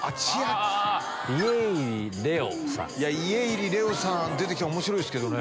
家入レオさん出て来たら面白いですけどね。